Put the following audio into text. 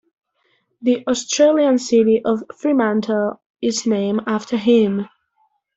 The Australian city of Fremantle is named after him.